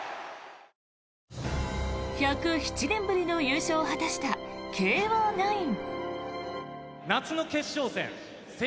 １０７年ぶりの優勝を果たした慶応ナイン。